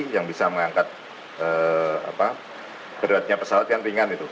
yang bisa mengangkat beratnya pesawat yang ringan itu